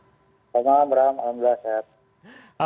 selamat malam alhamdulillah sehat